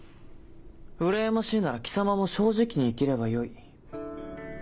うらやましいなら貴様も正直に生きればよい。